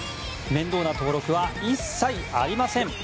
面倒な登録は一切ありません。